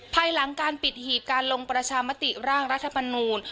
ภายหลังการปิดหีบการลงประชามติร่างรัฐมนูล